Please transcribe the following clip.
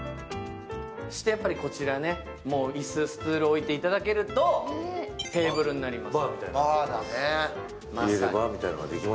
やっぱりこちら、椅子、スツール置いていただけるとテーブルになります。